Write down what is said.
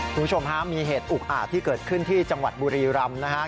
คุณผู้ชมฮะมีเหตุอุกอาจที่เกิดขึ้นที่จังหวัดบุรีรำนะครับ